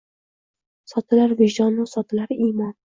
Sotilar vijdonu sotilar imon!